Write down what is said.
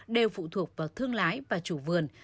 đều phụ thuộc vào thương lái và chủ vườn